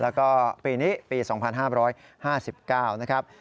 แล้วก็ปีนี้ปี๒๕๕๙นะครับ